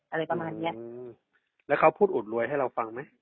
อะไรประมาณเนี้ยอืมแล้วเขาพูดอุดรวยให้เราฟังไหม